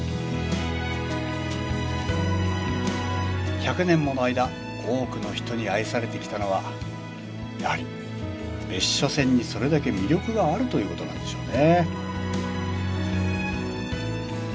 １００年もの間多くの人に愛されてきたのはやはり別所線にそれだけ魅力があるということなんでしょうね。